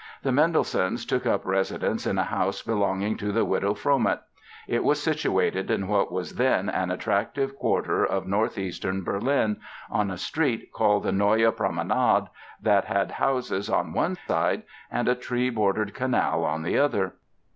The Mendelssohns took up residence in a house belonging to the widow Fromet. It was situated in what was then an attractive quarter of north eastern Berlin, on a street called the Neue Promenade that had houses on one side and a tree bordered canal on the other.